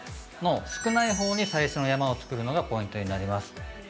少ないほうに最初の山を作るのがポイントになります。